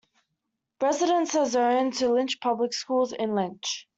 Residents are zoned to Lynch Public Schools in Lynch.